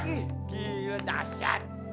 ih gila dasar